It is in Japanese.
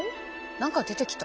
何か出てきた。